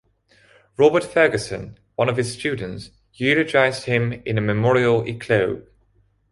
Robert Fergusson, one of his students, eulogised him in a memorial eclogue.